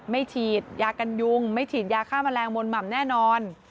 ไม่ฉีดยากันยุงไม่ฉีดยาฆ่าแมลงมนหม่ำแน่นอน